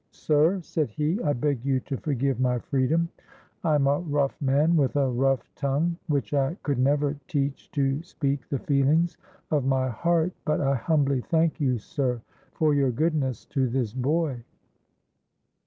"Sir," said he, "I beg you to forgive my freedom. I'm a rough man with a rough tongue, which I could never teach to speak the feelings of my heart; but I humbly thank you, sir, for your goodness to this boy."